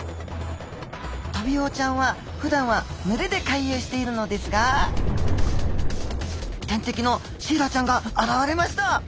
トビウオちゃんはふだんは群れで回遊しているのですが天敵のシイラちゃんが現れました。